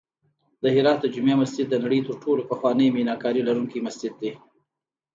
د هرات د جمعې مسجد د نړۍ تر ټولو پخوانی میناکاري لرونکی مسجد دی